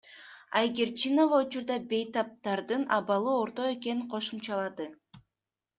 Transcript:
Айгерчинова учурда бейтаптардын абалы орто экенин кошумчалады.